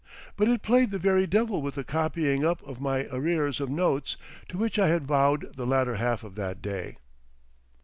But it played the very devil with the copying up of my arrears of notes to which I had vowed the latter half of that day.